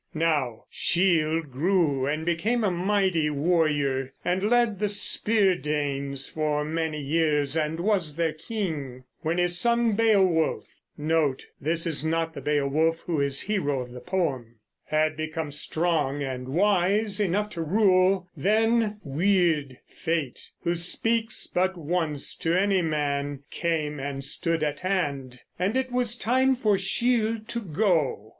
Now Scyld grew and became a mighty warrior, and led the Spear Danes for many years, and was their king. When his son Beowulf had become strong and wise enough to rule, then Wyrd (Fate), who speaks but once to any man, came and stood at hand; and it was time for Scyld to go.